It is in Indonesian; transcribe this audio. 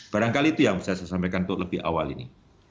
barangkali itu yang bisa saya sampaikan untuk lebih awal ini